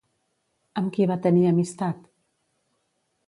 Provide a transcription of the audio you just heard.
Amb qui va tenir amistat?